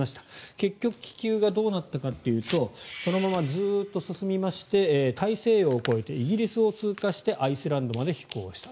結局、気球がどうなったかというとずっとそのまま進みまして大西洋を越えてイギリスを通過してアイスランドまで飛行した。